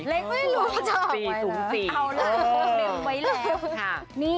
หลุแมวไว้เร็ว